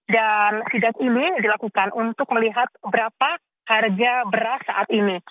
dan sidat ini dilakukan untuk melihat berapa harga beras saat ini